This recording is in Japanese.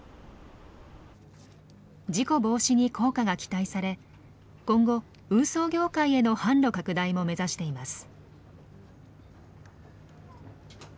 事故防止に効果が期待され今後運送業界への販路拡大も目指しています。